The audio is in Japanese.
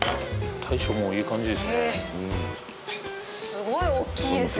大将もいい感じですね